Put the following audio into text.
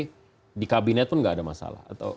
tapi di kabinet pun tidak ada masalah atau